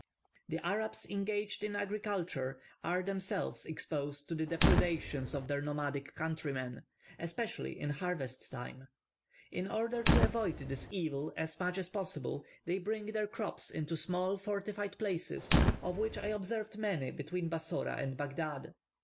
The Arabs engaged in agriculture are themselves exposed to the depredations of their nomadic countrymen, especially in harvest time. In order to avoid this evil as much as possible, they bring their crops into small fortified places, of which I observed many between Bassora and Baghdad.